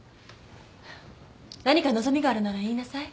何か望みがあるなら言いなさい。